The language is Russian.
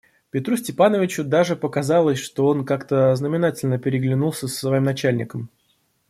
Петру Степановичу даже показалось, что он как-то знаменательно переглянулся с своим начальником.